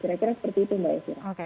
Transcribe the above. kira kira seperti itu mbak elvira